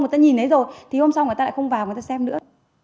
người ta nhìn thấy rồi thì hôm sau người ta lại không vào người ta xem nữa